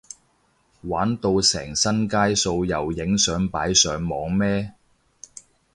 玩到成身街數又影相擺上網咩？